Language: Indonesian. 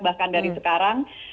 bahkan dari sekarang